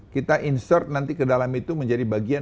kita insert nanti ke dalam itu menjadi bagian